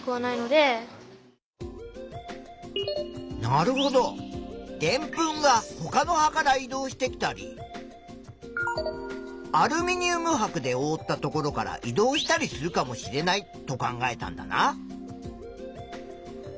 なるほどでんぷんがほかの葉から移動してきたりアルミニウムはくでおおったところから移動したりするかもしれないと考えたんだな。